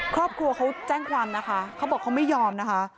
ครอบครัวเขาแจ้งความนะคะเขาบอกเขาไม่ยอมนะคะ